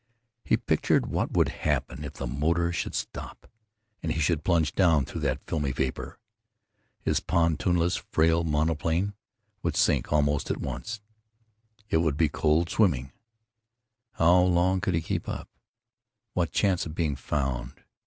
He pictured what would happen if the motor should stop and he should plunge down through that flimsy vapor. His pontoonless frail monoplane would sink almost at once.... It would be cold, swimming. How long could he keep up? What chance of being found?